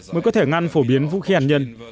mới có thể ngăn phổ biến vũ khí hạt nhân